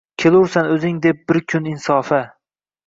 Kelursan o’zing deb bir kun insofa —